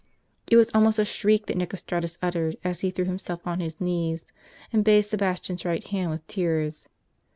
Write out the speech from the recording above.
It was almost a shriek that Nicostratus uttered, as he threw himself on his knees, and bathed Sebastian's right hand with tears.